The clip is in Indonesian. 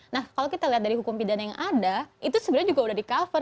nah kalau kita lihat dari hukum pidana yang ada itu sebenarnya juga sudah di cover